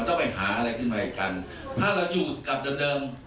ถ้าเรายุดกับเดิม